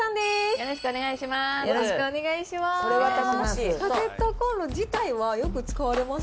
よろしくお願いします。